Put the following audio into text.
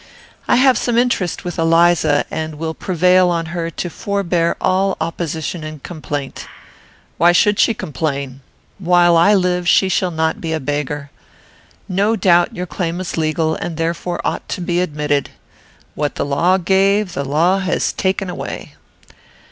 I have some interest with Eliza, and will prevail on her to forbear all opposition and complaint. Why should she complain? While I live, she shall not be a beggar. No doubt your claim is legal, and therefore ought to be admitted. What the law gave, the law has taken away.